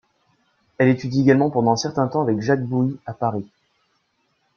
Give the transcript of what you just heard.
Elle étudie également pendant un certain temps avec Jacques Bouhy à Paris.